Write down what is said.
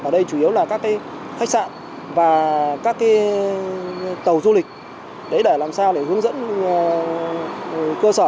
ở đây chủ yếu là các khách sạn và các tàu du lịch để làm sao để hướng dẫn cơ sở